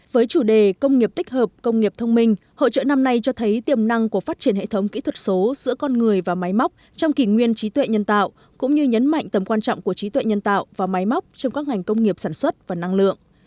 với chủ đề công nghiệp tích hợp công nghiệp thông minh hội trợ năm nay cho thấy tiềm năng của phát triển hệ thống kỹ thuật số giữa con người và máy móc trong kỷ nguyên trí tuệ nhân tạo cũng như nhấn mạnh tầm quan trọng của trí tuệ nhân tạo và máy móc trong các ngành công nghiệp sản xuất và năng lượng